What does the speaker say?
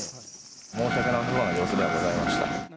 申し訳なさそうな様子ではございました。